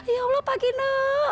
ya allah pak gino